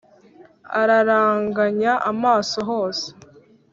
araranganya amaso hose